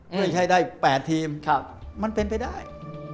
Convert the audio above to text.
ไม่ใช่ได้๘ทีมมันเป็นไปได้